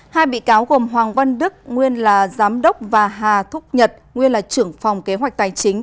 hai bị cáo gồm hoàng văn đức nguyên là giám đốc và hà thúc nhật nguyên là trưởng phòng kế hoạch tài chính